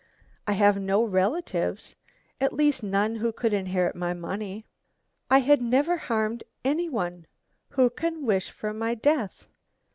I have no relatives, at least none who could inherit my money. I had never harmed any one; who can wish for my death?